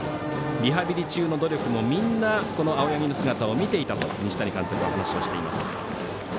リハビリ中の努力もみんな、青柳の姿を見ていたと西谷監督は話をしています。